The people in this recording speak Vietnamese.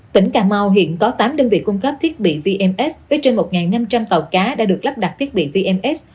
tỉnh cà mau hiện có tám đơn vị cung cấp thiết bị vms với trên một năm trăm linh tàu cá đã được lắp đặt thiết bị vns